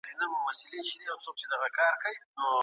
سوسیالیستي مفکوره شخصي ګټې نه مني.